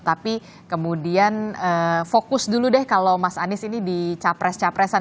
tapi kemudian fokus dulu deh kalau mas anies ini di capres capresan